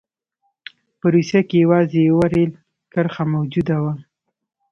په روسیه کې یوازې یوه رېل کرښه موجوده وه.